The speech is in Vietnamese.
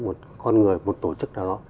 một con người một tổ chức nào đó